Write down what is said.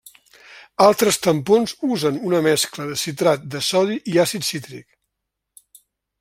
Altres tampons usen una mescla de citrat de sodi i àcid cítric.